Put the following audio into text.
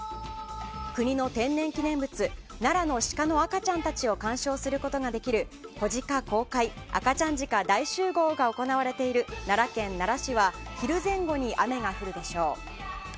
国の天然記念物奈良の鹿の赤ちゃんたちを鑑賞することができる「子鹿公開赤ちゃん鹿大集合！」が行われている奈良県奈良市は昼前後に雨が降るでしょう。